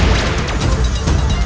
aku tidak mau